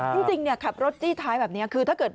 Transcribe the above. จริงเนี่ยขับรถจี้ท้ายแบบนี้คือ